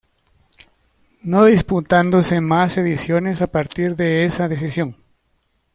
No disputándose más ediciones a partir de esa decisión.